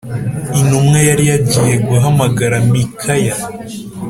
Intumwa yari yagiye guhamagara Mikaya.